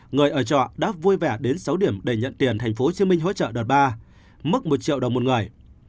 người ở trọ đã vui vẻ đến sáu điểm để nhận tiền tp hcm hỗ trợ đợt ba mức một triệu đồng một người